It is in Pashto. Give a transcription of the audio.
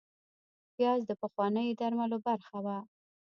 پیاز د پخوانیو درملو برخه وه